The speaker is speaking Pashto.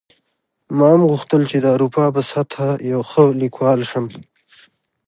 ما هم غوښتل چې د اروپا په سطحه یو ښه لیکوال شم